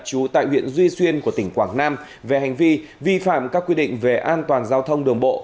trú tại huyện duy xuyên của tỉnh quảng nam về hành vi vi phạm các quy định về an toàn giao thông đường bộ